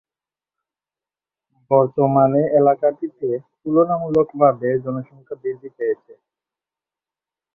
বর্তমানে এলাকাটিতে তুলনামূলকভাবে জনসংখ্যা বৃদ্ধি পেয়েছে।